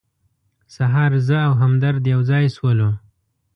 سهار زه او همدرد یو ځای شولو.